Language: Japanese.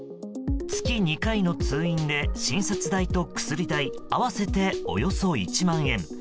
月２回の通院で診察代と薬代合わせておよそ１万円。